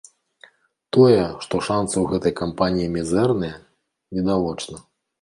Тое, што шанцы ў гэтай кампаніі мізэрныя, відавочна.